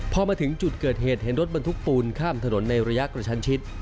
พอมาถึงจุดเกิดเหตุเห็นรถบรรทุกปูนข้ามถนนในระยะกระชันชิด